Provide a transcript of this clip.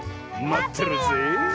まってるよ！